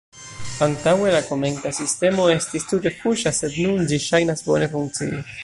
Antaŭe la komenta sistemo estis tute fuŝa sed nun ĝi ŝajnas bone funkcii.